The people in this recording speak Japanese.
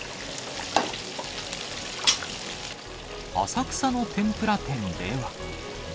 浅草の天ぷら店では。